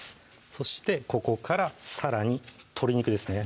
そしてここからさらに鶏肉ですね